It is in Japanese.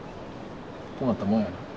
困ったもんやな。